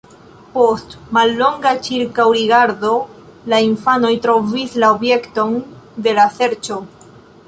Post mallonga ĉirkaŭrigardo la infanoj trovis la objekton de la serĉo.